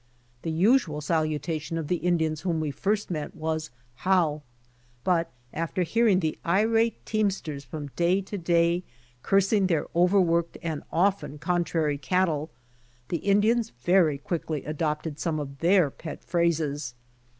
The usual sal utation of the Indians whom we first met was "How." 38 BY ox TEAM TO CALIFORNIA But after hearing the irate teamsters from day to day cursing their overworked and often contrary cattle, the Indians very quickly adopted some of their pet phrases.